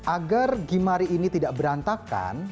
agar gimari ini tidak berantakan